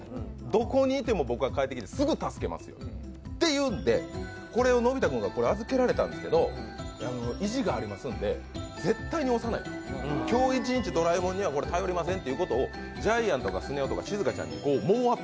どこにいても僕は帰ってきて、すぐ助けますよと言うので、これをのび太君が預けられたんですけど、意地がありますんで絶対押さない、今日一日ドラえもんには頼りませんと、ジャイアントかスネ夫とかしずかちゃんに言うねん。